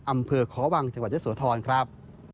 อำเภอขอวังจังหวัดเยอะโสธรครับ